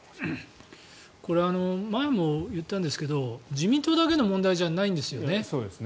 これは前も言ったんですけど自民党だけの問題じゃないんですよね。